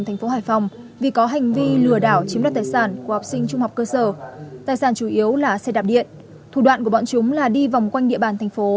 thủ đoạn của bọn chúng là đi vòng quanh địa bàn thành phố